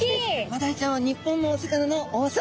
マダイちゃんは日本のお魚の王様です。